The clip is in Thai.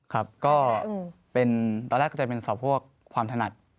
ครับก็เป็นตอนแรกก็จะเป็นสอบพวกความถนัด